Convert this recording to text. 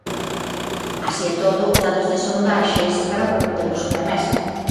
Así e todo, os datos de sondaxes estarán pouco tempo sobre a mesa.